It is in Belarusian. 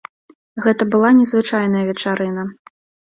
Гэта была незвычайная вечарына.